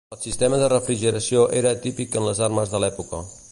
El sistema de refrigeració era atípic de les armes de l'època.